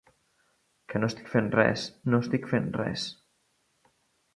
Que no estic fent res, no estic fent res.